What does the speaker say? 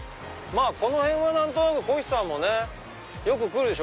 この辺は何となくこひさんもねよく来るでしょ。